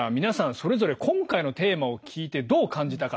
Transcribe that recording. それぞれ今回のテーマを聞いてどう感じたか。